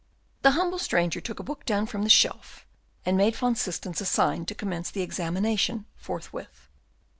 The humble stranger took a book down from the shelf, and made Van Systens a sign to commence the examination forthwith.